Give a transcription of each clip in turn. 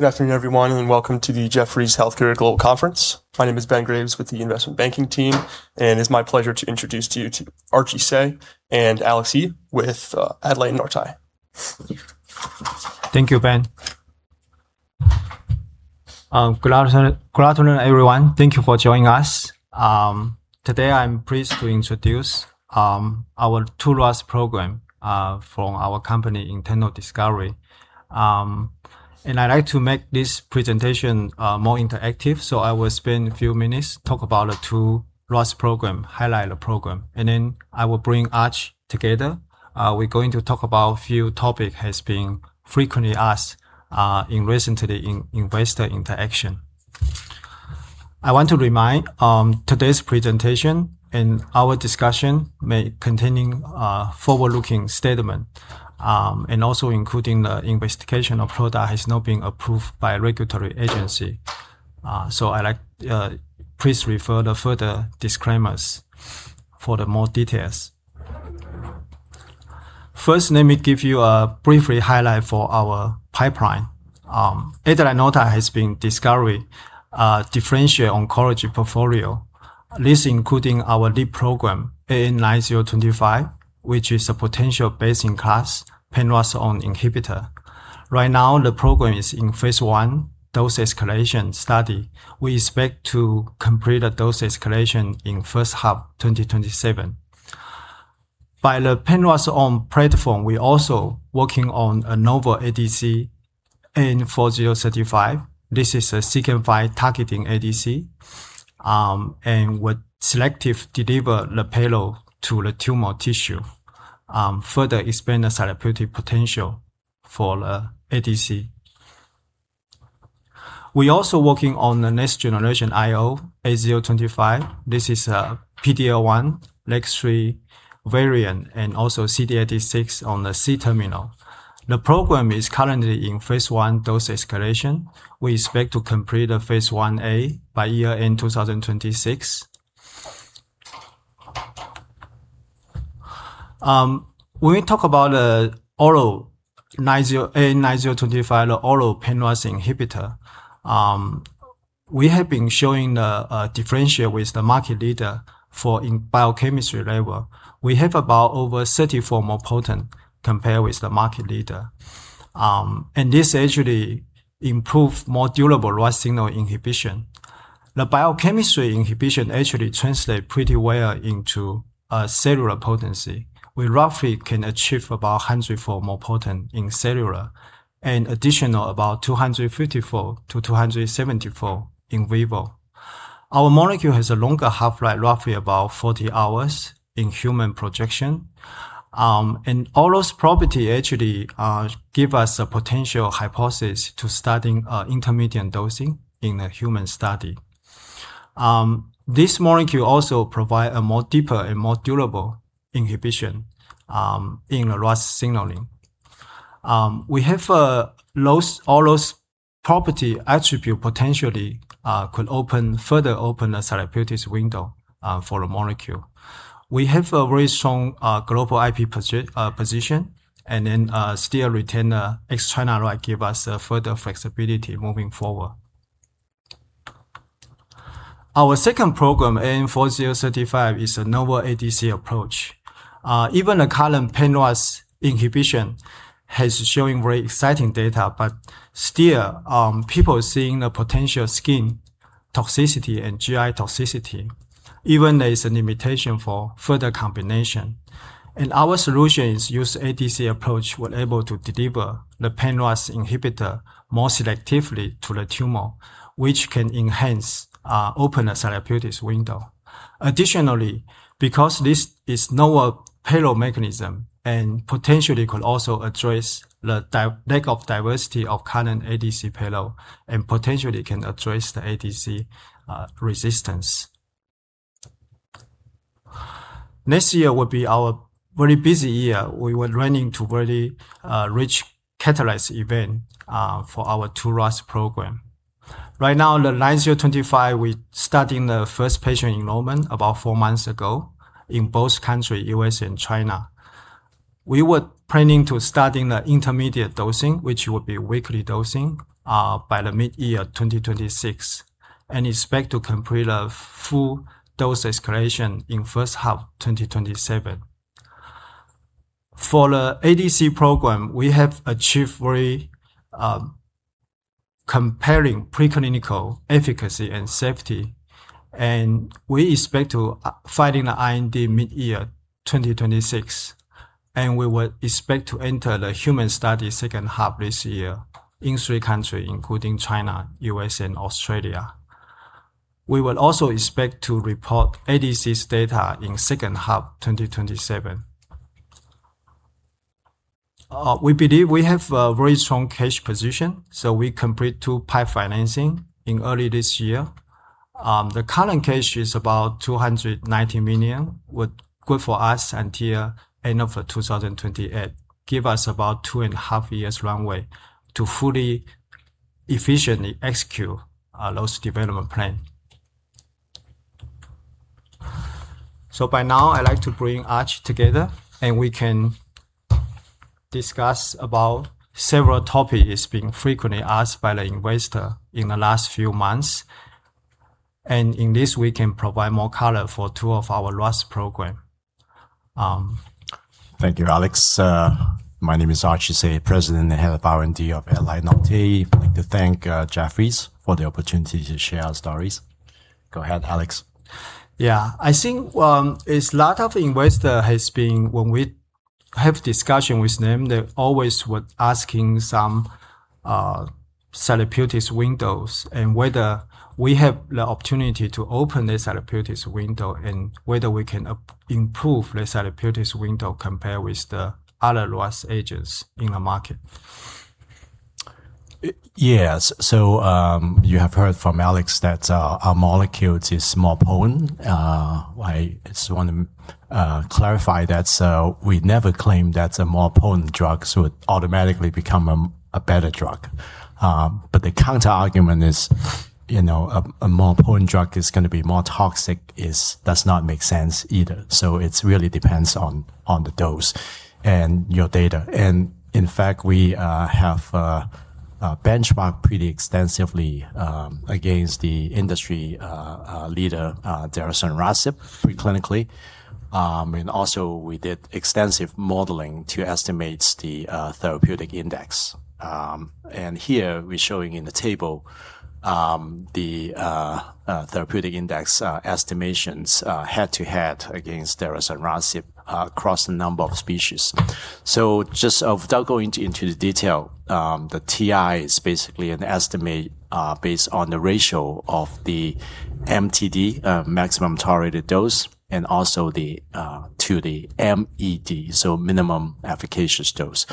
Good afternoon, everyone, and welcome to the Jefferies Healthcare Global Conference. My name is Benjamin Graves with the investment banking team, and it's my pleasure to introduce to you to Archie Sze and Alex Ye with Adlai Nortye. Thank you, Ben. Good afternoon, everyone. Thank you for joining us. Today, I'm pleased to introduce our two RAS program from our company, Internal Discovery. I'd like to make this presentation more interactive, so I will spend a few minutes talk about the two RAS program, highlight the program, and then I will bring Archie together. We're going to talk about few topic has been frequently asked in recent investor interaction. I want to remind, today's presentation and our discussion may containing forward-looking statement, and also including the investigation of product has not been approved by a regulatory agency. Please refer the further disclaimers for the more details. First, let me give you a briefly highlight for our pipeline. Adlai Nortye has been discovery differentiate oncology portfolio. This including our lead program, AN9025, which is a potential best-in-class, pan-RAS inhibitor. Right now, the program is in phase I dose escalation study. We expect to complete a dose escalation in first half 2027. By the pan-RAS platform, we also working on a novel ADC, AN4035. This is a CEACAM5-targeting ADC, and will selective deliver the payload to the tumor tissue, further expand the therapeutic potential for the ADC. We also working on the next generation IO, A025. This is a PD-L1, LAG-3 variant, and also CD86 on the C-terminal. The program is currently in phase I dose escalation. We expect to complete the phase I-A by year-end 2026. When we talk about the oral AN9025, the oral pan-RAS inhibitor, we have been showing the differentiate with the market leader for in biochemistry level. We have about over 34 more potent compare with the market leader. This actually improve more durable RAS signal inhibition. The biochemistry inhibition actually translate pretty well into a cellular potency. We roughly can achieve about 104 more potent in cellular, and additional about 254-274 in vivo. Our molecule has a longer half-life, roughly about 40 hours in human projection. All those property actually give us a potential hypothesis to starting intermediate dosing in the human study. This molecule also provide a more deeper and more durable inhibition in the RAS signaling. All those property attribute potentially could further open the therapeutics window for the molecule. We have a very strong global IP position and then still retain the ex China right, give us further flexibility moving forward. Our second program, AN4035, is a novel ADC approach. Even the current pan-RAS inhibition has shown very exciting data, but still, people seeing a potential skin toxicity and GI toxicity, even there is a limitation for further combination. Our solution is use ADC approach. We're able to deliver the pan-RAS inhibitor more selectively to the tumor, which can enhance, open the therapeutics window. Additionally, because this is novel payload mechanism and potentially could also address the lack of diversity of current ADC payload, and potentially can address the ADC resistance. Next year will be our very busy year. We were running to very rich catalyst event for our 2 RAS program. Right now, the AN9025, we starting the first patient enrollment about 4 months ago in both country, U.S. and China. We were planning to starting the intermediate dosing, which will be weekly dosing, by the mid-year 2026, and expect to complete a full dose escalation in first half 2027. For the ADC program, we have achieved very compelling preclinical efficacy and safety. We expect to filing the IND mid-year 2026. We will expect to enter the human study second half this year in three country, including China, U.S., and Australia. We will also expect to report ADCs data in second half 2027. We believe we have a very strong cash position. We complete two PIPE financing in early this year. The current cash is about $290 million, would good for us until end of 2028. Give us about 2.5 years runway to fully, efficiently execute our RAS development plan. By now I'd like to bring Archie together. We can discuss about several topics being frequently asked by the investor in the last few months. In this, we can provide more color for two of our last program. Thank you, Alex. My name is Archie Sze, President and Head of R&D of Adlai Nortye. I'd like to thank Jefferies for the opportunity to share our stories. Go ahead, Alex. Yeah. I think it's lot of investors has been, when we have discussion with them, they always were asking some therapeutic windows and whether we have the opportunity to open the therapeutic window and whether we can improve the therapeutic window compared with the other RAS agents in the market. Yes. You have heard from Alex that our molecule is more potent. I just want to clarify that we never claimed that a more potent drug would automatically become a better drug. The counterargument is, a more potent drug is going to be more toxic does not make sense either. It really depends on the dose and your data. In fact, we have benchmarked pretty extensively against the industry leader, divarasib, pre-clinically. Also we did extensive modeling to estimate the therapeutic index. Here we're showing in the table the therapeutic index estimations head-to-head against divarasib across a number of species. Just without going into the detail, the TI is basically an estimate based on the ratio of the MTD, maximum tolerated dose and also to the MED, minimum efficacious dose.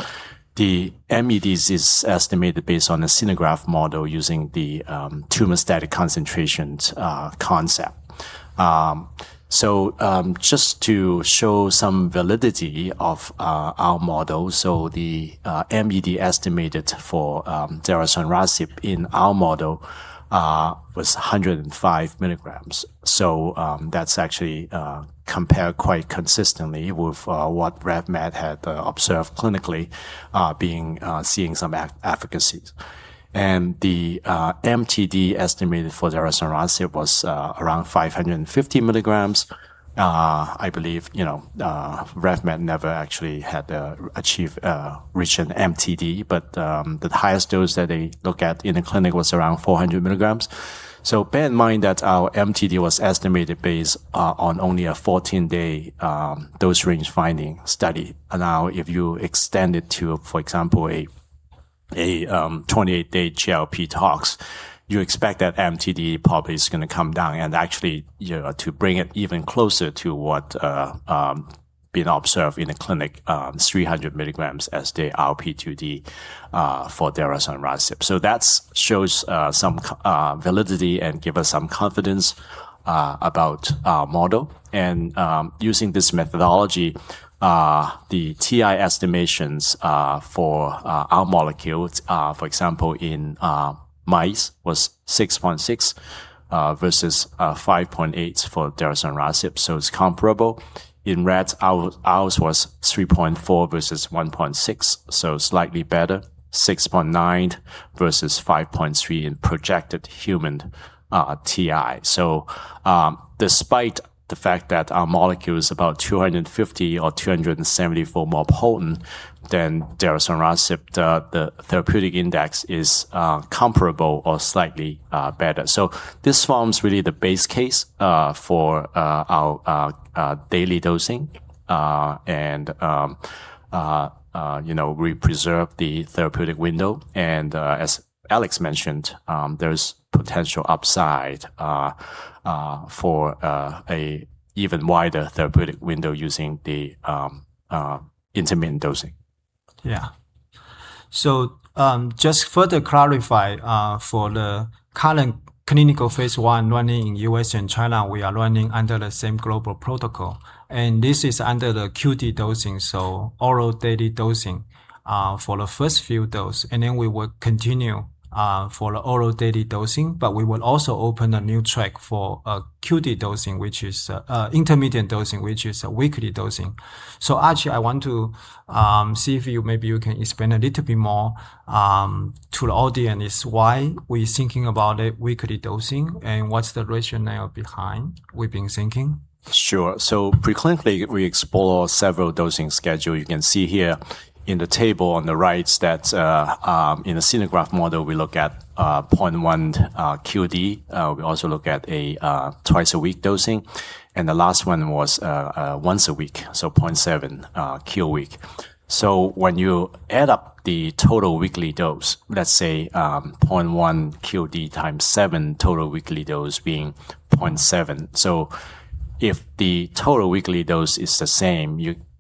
The MED is estimated based on a xenograft model using the tumor static concentrations concept. Just to show some validity of our model, the MED estimated for divarasib in our model was 105 milligrams. That's actually compared quite consistently with what RevMed had observed clinically seeing some efficacies. The MTD estimated for divarasib was around 550 milligrams. I believe RevMed never actually had reached an MTD, but the highest dose that they look at in the clinic was around 400 milligrams. Bear in mind that our MTD was estimated based on only a 14-day dose range finding study. Now if you extend it to, for example, a 28-day GLP tox, you expect that MTD probably is going to come down and actually to bring it even closer to what being observed in a clinic, 300 milligrams as the RP2D for divarasib. That shows some validity and give us some confidence about our model. Using this methodology, the TI estimations for our molecule, for example, in mice was 6.6 versus 5.8 for divarasib, so it's comparable. In rats, ours was 3.4 versus 1.6, so slightly better, 6.9 versus 5.3 in projected human TI. Despite the fact that our molecule is about 250 or 274 more potent than divarasib, the therapeutic index is comparable or slightly better. This forms really the base case for our daily dosing. We preserve the therapeutic window. As Alex mentioned, there's potential upside for an even wider therapeutic window using the intermittent dosing. Yeah. Just further clarify, for the current clinical phase I running in U.S. and China, we are running under the same global protocol. This is under the QD dosing, so oral daily dosing for the first few dose, and then we will continue for the oral daily dosing, but we will also open a new track for QD dosing, which is intermittent dosing, which is a weekly dosing. Archie, I want to see if maybe you can explain a little bit more to the audience why we thinking about a weekly dosing and what's the rationale behind we've been thinking. Sure. Pre-clinically, we explore several dosing schedule. You can see here in the table on the right that in a xenograft model, we look at 0.1 QD. We also look at a twice-a-week dosing, and the last one was once a week, 0.7 Q week. When you add up the total weekly dose, let's say 0.1 QD times seven, total weekly dose being 0.7. If the total weekly dose is the same,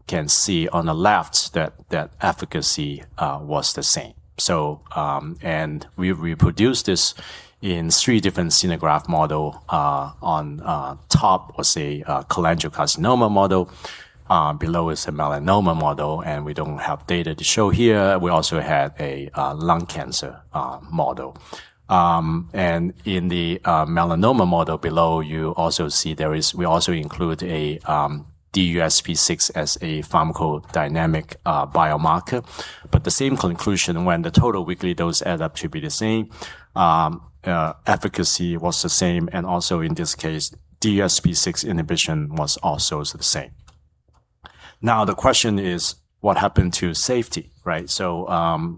you can see on the left that efficacy was the same. We've reproduced this in three different syngeneic model on top was a cholangiocarcinoma model, below is a melanoma model, and we don't have data to show here. We also had a lung cancer model. In the melanoma model below, you also see we also include a DUSP6 as a pharmacodynamic biomarker. The same conclusion when the total weekly dose add up to be the same, efficacy was the same, and also in this case, DUSP6 inhibition was also the same. The question is what happened to safety, right?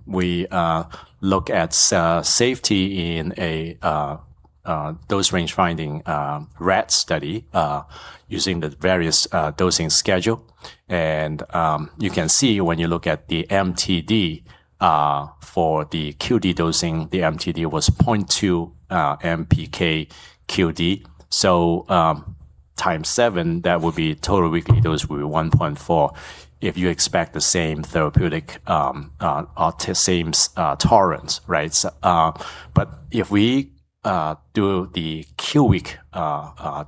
We look at safety in a dose range-finding rat study using the various dosing schedule. You can see when you look at the MTD for the QD dosing, the MTD was 0.2 MPK QD. x 7, that would be total weekly dose will be 1.4 if you expect the same therapeutic or same tolerance, right? If we do the Q-week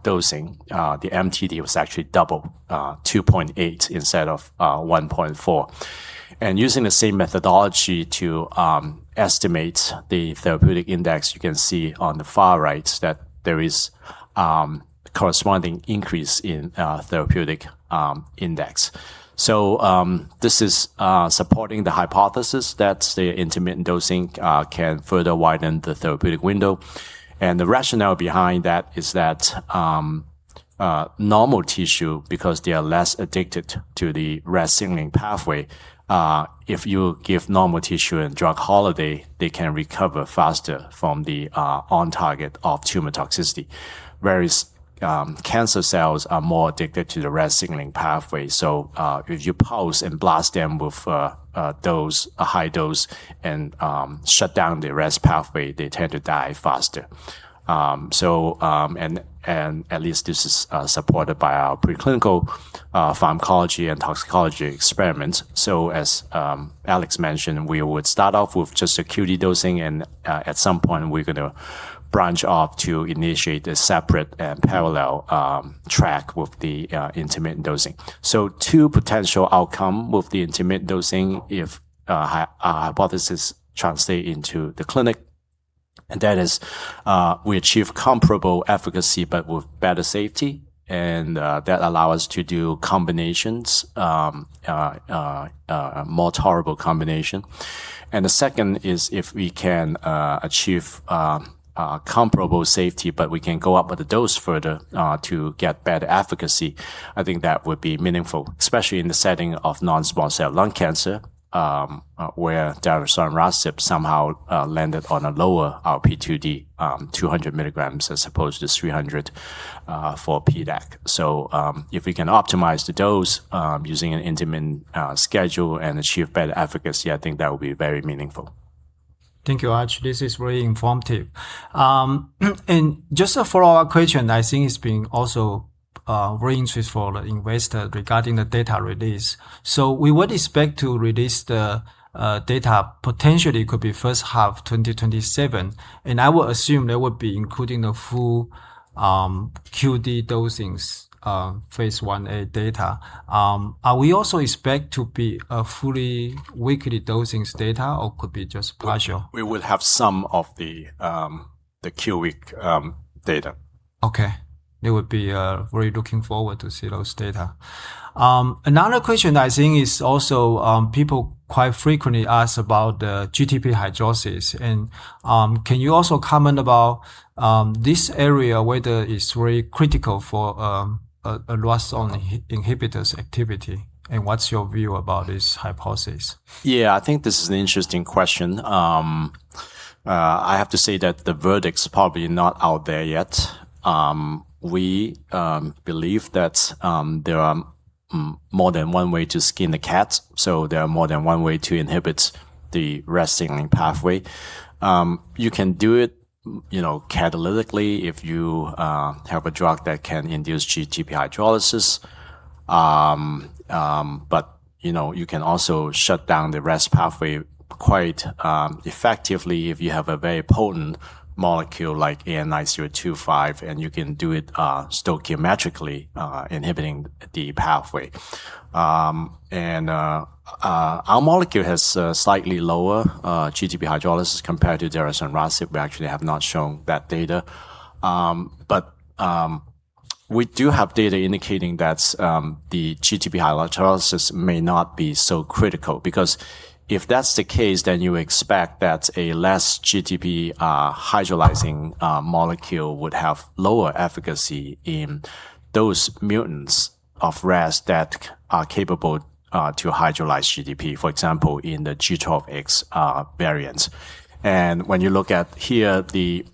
dosing, the MTD was actually double, 2.8 instead of 1.4. Using the same methodology to estimate the therapeutic index, you can see on the far right that there is corresponding increase in therapeutic index. This is supporting the hypothesis that the intermittent dosing can further widen the therapeutic window, and the rationale behind that is that normal tissue, because they are less addicted to the RAS signaling pathway, if you give normal tissue in drug holiday, they can recover faster from the on target of tumor toxicity. Whereas cancer cells are more addicted to the RAS signaling pathway. If you pause and blast them with a high dose and shut down the RAS pathway, they tend to die faster. And at least this is supported by our preclinical pharmacology and toxicology experiments. As Alex mentioned, we would start off with just a QD dosing, and at some point, we're going to branch off to initiate a separate and parallel track with the intermittent dosing. Two potential outcome with the intermittent dosing if our hypothesis translate into the clinic, and that is we achieve comparable efficacy but with better safety, and that allow us to do combinations, a more tolerable combination. The second is if we can achieve comparable safety, but we can go up with the dose further to get better efficacy. I think that would be meaningful, especially in the setting of non-small cell lung cancer, where sotorasib and adagrasib somehow landed on a lower RP2D, 200 milligrams as opposed to 300 for PDAC. If we can optimize the dose using an intermittent schedule and achieve better efficacy, I think that would be very meaningful. Thank you, Archie. This is very informative. Just a follow-up question I think it's been also very interest for the investor regarding the data release. We would expect to release the data potentially could be first half 2027, and I would assume that would be including the full QD dosings phase I-A data. Are we also expect to be a fully weekly dosings data or could be just partial? We will have some of the Q-week data. Okay. It would be very looking forward to see those data. Another question that I think is also people quite frequently ask about the GTP hydrolysis. Can you also comment about this area, whether it's very critical for a RAS inhibitor's activity and what's your view about this hypothesis? Yeah, I think this is an interesting question. I have to say that the verdict's probably not out there yet. We believe that there are more than one way to skin a cat, so there are more than one way to inhibit the RAS signaling pathway. You can do it catalytically if you have a drug that can induce GTP hydrolysis. You can also shut down the RAS pathway quite effectively if you have a very potent molecule like AN9025, and you can do it stoichiometrically inhibiting the pathway. Our molecule has a slightly lower GTP hydrolysis compared to divarasib and sotorasib. We actually have not shown that data. We do have data indicating that the GTP hydrolysis may not be so critical because if that's the case, then you expect that a less GTP hydrolyzing molecule would have lower efficacy in those mutants of RAS that are capable to hydrolyze GTP, for example, in the G12X variant. When you look at here the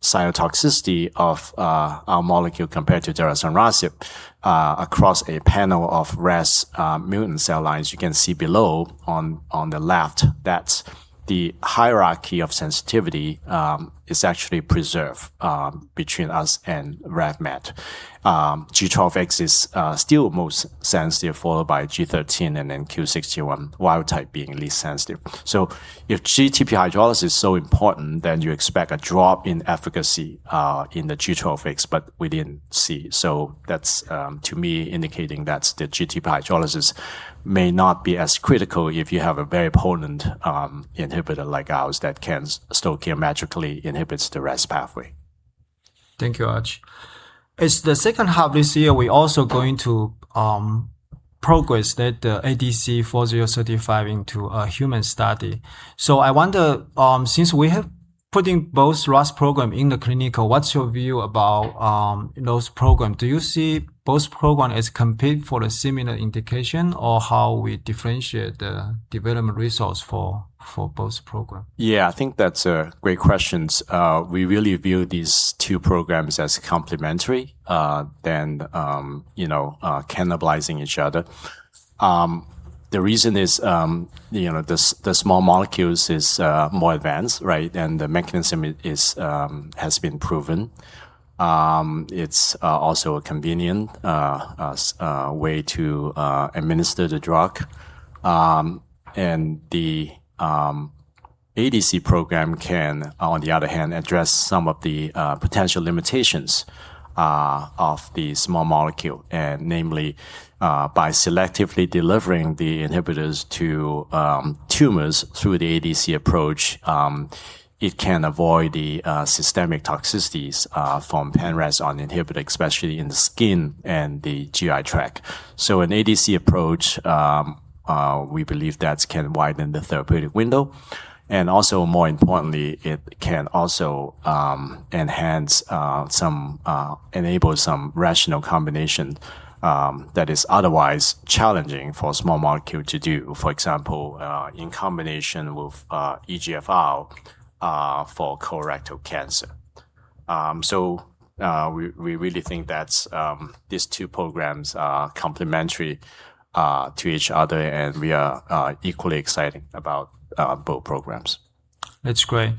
cytotoxicity of our molecule compared to divarasib and sotorasib across a panel of RAS mutant cell lines, you can see below on the left that the hierarchy of sensitivity is actually preserved between us and RevMed. G12X is still most sensitive, followed by G13 and then Q61, wild type being least sensitive. If GTP hydrolysis is so important, then you expect a drop in efficacy in the G12X, but we didn't see. That's, to me, indicating that the GTP hydrolysis may not be as critical if you have a very potent inhibitor like ours that can stoichiometrically inhibit the RAS pathway. Thank you, Archie. In the second half of this year, we're also going to progress the AN4035 into a human study. I wonder, since we have put both RAS programs in the clinical, what's your view about those programs? Do you see both programs as competing for a similar indication, or how do we differentiate the development resource for both programs? Yeah, I think that's a great question. We really view these two programs as complementary than cannibalizing each other. The reason is the small molecule is more advanced, right? The mechanism has been proven. It's also a convenient way to administer the drug. The ADC program can, on the other hand, address some of the potential limitations of the small molecule, namely by selectively delivering the inhibitors to tumors through the ADC approach. It can avoid the systemic toxicities from pan-RAS(ON) inhibitor, especially in the skin and the GI tract. An ADC approach, we believe that can widen the therapeutic window. Also more importantly, it can also enable some rational combination that is otherwise challenging for a small molecule to do. For example, in combination with EGFR for colorectal cancer. We really think that these two programs are complementary to each other, and we are equally excited about both programs. That's great.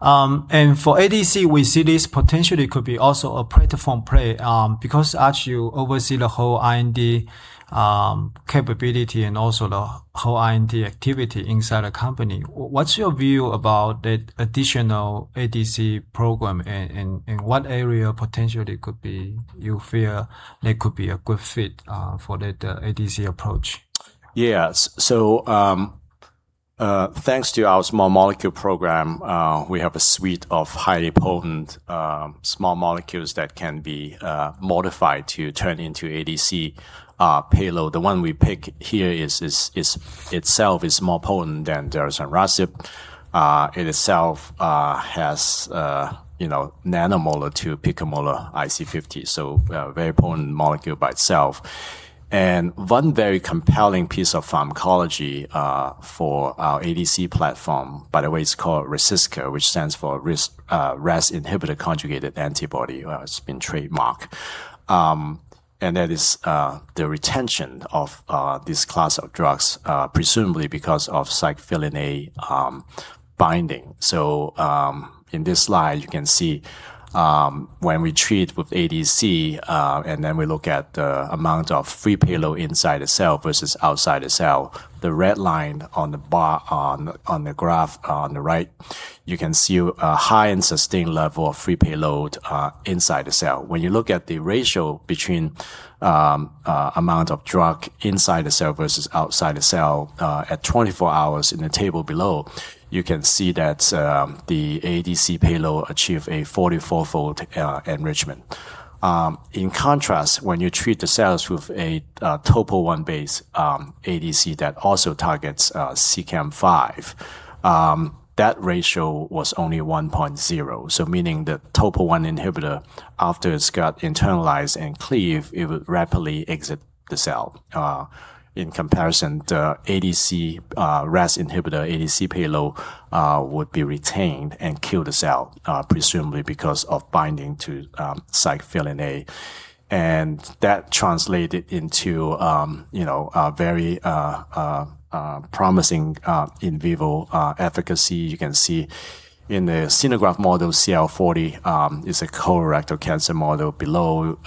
For ADC, we see this potentially could be also a platform play because, Archie, you oversee the whole IND capability and also the whole IND activity inside the company. What's your view about the additional ADC program, and what area potentially could be, you feel, could be a good fit for the ADC approach? Yeah. Thanks to our small molecule program, we have a suite of highly potent small molecules that can be modified to turn into ADC payload. The one we pick here itself is more potent than divarasib. It itself has nanomolar to picomolar IC50. A very potent molecule by itself. One very compelling piece of pharmacology for our ADC platform, by the way, it's called RASiCA, which stands for RAS inhibitor conjugated antibody. It's been trademarked. That is the retention of this class of drugs, presumably because of cyclophilin A binding. In this slide, you can see when we treat with ADC, and then we look at the amount of free payload inside the cell versus outside the cell. The red line on the graph on the right, you can see a high and sustained level of free payload inside the cell. When you look at the ratio between amount of drug inside the cell versus outside the cell at 24 hours in the table below, you can see that the ADC payload achieved a 44-fold enrichment. In contrast, when you treat the cells with a topoisomerase I base ADC that also targets TROP2, that ratio was only 1.0. Meaning the topoisomerase I inhibitor, after it's got internalized and cleaved, it would rapidly exit the cell. In comparison, the RAS inhibitor ADC payload would be retained and kill the cell, presumably because of binding to cyclophilin A. That translated into a very promising in vivo efficacy. You can see in the xenograft model, CL-40 is a colorectal cancer model below.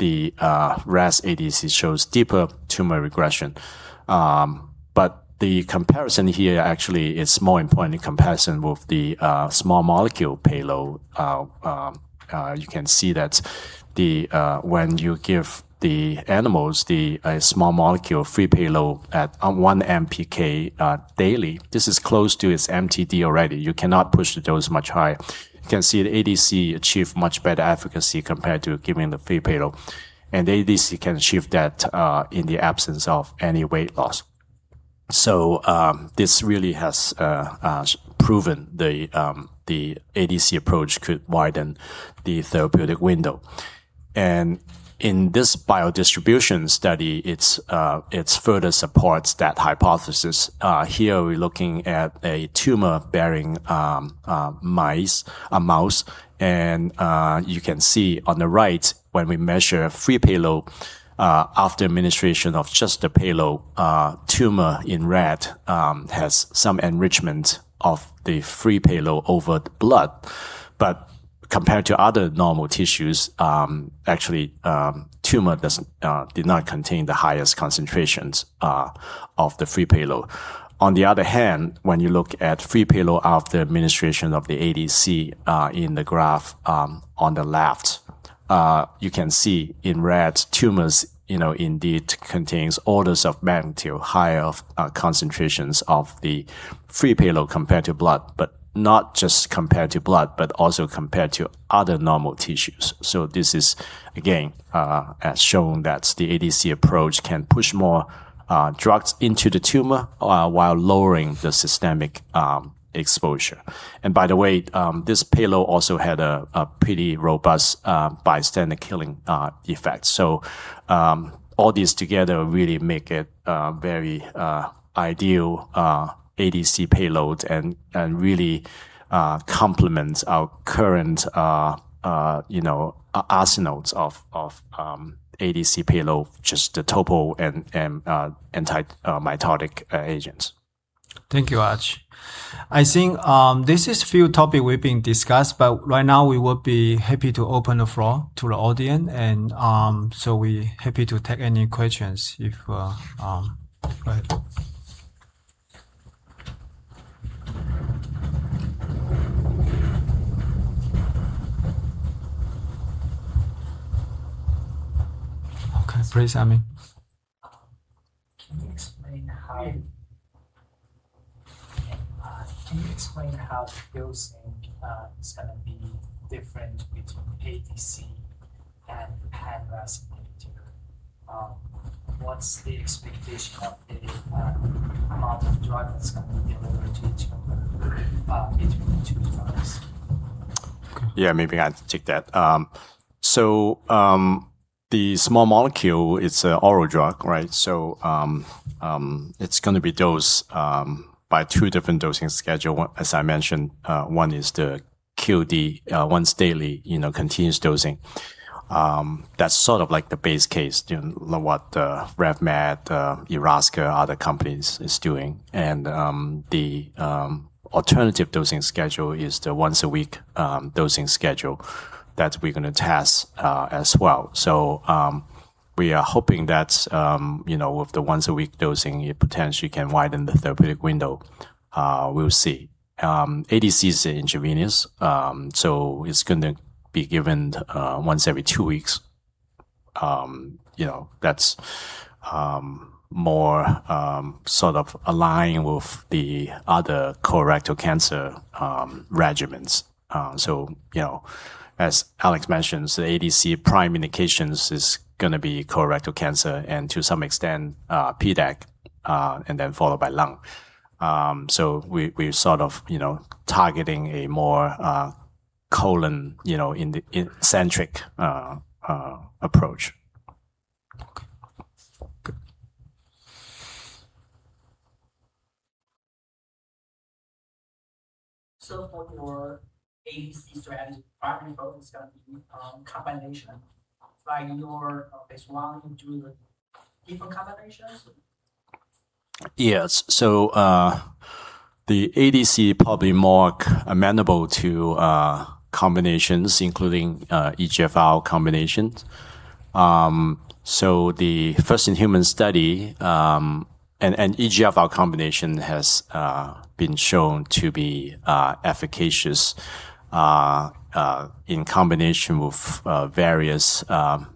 The comparison here actually is more important in comparison with the small molecule payload. You can see that when you give the animals the small molecule free payload at 1 MPK daily, this is close to its MTD already. You cannot push the dose much higher. You can see the ADC achieved much better efficacy compared to giving the free payload. The ADC can achieve that in the absence of any weight loss. This really has proven the ADC approach could widen the therapeutic window. In this biodistribution study, it further supports that hypothesis. Here, we're looking at a tumor-bearing mouse, and you can see on the right when we measure free payload after administration of just the payload, tumor in red has some enrichment of the free payload over the blood. Compared to other normal tissues, actually, tumor did not contain the highest concentrations of the free payload. On the other hand, when you look at free payload after administration of the ADC in the graph on the left, you can see in red tumors indeed contains orders of magnitude higher concentrations of the free payload compared to blood. Not just compared to blood, but also compared to other normal tissues. This is, again, has shown that the ADC approach can push more drugs into the tumor while lowering the systemic exposure. By the way, this payload also had a pretty robust bystander killing effect. All these together really make it very ideal ADC payload and really complements our current arsenals of ADC payload, which is the topo and antimitotic agents. Thank you, Archie. I think this is few topic we've been discussed, Right now we would be happy to open the floor to the audience, We happy to take any questions. Go ahead. Okay, please, Amy. Can you explain how dosing is going to be different between ADC and the pan-RAS inhibitor? What's the expectation of the amount of drug that's going to be delivered between the two products? Yeah, maybe I take that. The small molecule, it's a oral drug, right? It's going to be dosed by two different dosing schedule. As I mentioned, one is the QD, once daily, continuous dosing. That's sort of like the base case, what the RevMed, Erasca, other companies is doing. The alternative dosing schedule is the once a week dosing schedule that we're going to test as well. We are hoping that with the once a week dosing, it potentially can widen the therapeutic window. We'll see. ADC is intravenous so it's going to be given once every two weeks. That's more sort of aligned with the other colorectal cancer regimens. As Alex mentioned, the ADC prime indications is going to be colorectal cancer and to some extent, PDAC, and then followed by lung. We're sort of targeting a more colon-centric approach. Good. for your ADC strategy, primary focus is going to be combination like your phase I and II different combinations? Yes. The ADC probably more amenable to combinations, including EGFR combinations. The first-in-human study, an EGFR combination has been shown to be efficacious in combination with various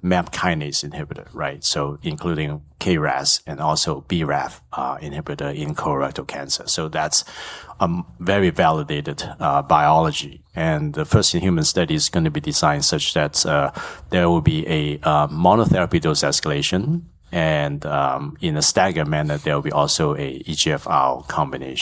MAP kinase inhibitor, right? Including KRAS and also BRAF inhibitor in colorectal cancer. That's a very validated biology. The first-in-human study is going to be designed such that there will be a monotherapy dose escalation and in a staggered manner, there will be also a EGFR combination.